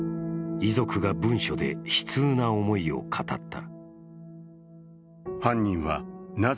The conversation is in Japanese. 遺族が文書で悲痛な思いを語った。